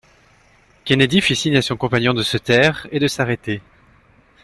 Kennedy fit signe à son compagnon de se taire et de s’arrêter.